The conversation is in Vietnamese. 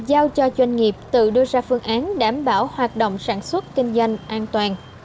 giao cho doanh nghiệp tự đưa ra phương án đảm bảo hoạt động sản xuất kinh doanh an toàn